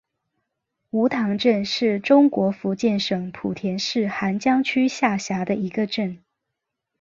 梧塘镇是中国福建省莆田市涵江区下辖的一个镇。